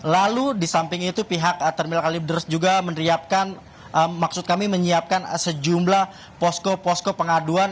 lalu di samping itu pihak terminal kalideres juga menerapkan maksud kami menyiapkan sejumlah posko posko pengaduan